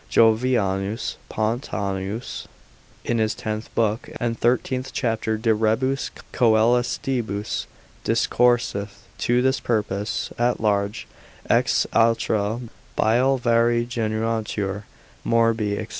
Jovianus Pontanus, in his tenth book, and thirteenth chapter de rebus coelestibus, discourseth to this purpose at large, Ex atra bile varii generantur morbi, &c.